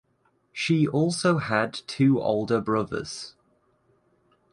She also had two older brothers.